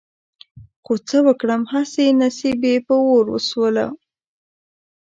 خو څه وکړم هسې نصيب يې په اور وسوله.